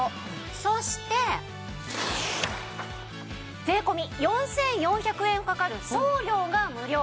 そして税込４４００円かかる送料が無料。